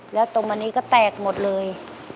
แล้วตรงอันนี้ก็แตกหมดเลย